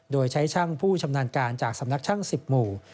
โดยใช้ช่างผู้ชำนาญการจากสำนักช่าง๑๐หมู่